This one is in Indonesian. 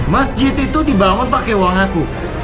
masjid itu dibangun pakai uang aku